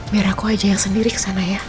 biar aku aja yang sendiri kesana ya